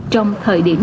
trong thời điểm dịch bệnh